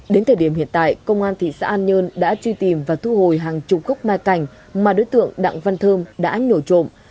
đến thời điểm hiện tại công an thị xã an nhơn đã truy tìm và thu hồi hàng chục gốc mai cảnh mà đối tượng đặng văn thơm đã nhổ trộm